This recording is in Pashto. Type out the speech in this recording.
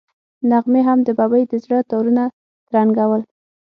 نغمې هم د ببۍ د زړه تارونه ترنګول.